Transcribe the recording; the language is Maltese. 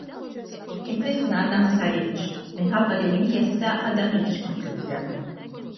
Id-difna għadha ma saritx minħabba li l-inkjesta għadha mhix konkluża.